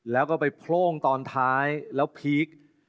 แล้วก็ไปโพร่งตอนท้ายแล้วพีค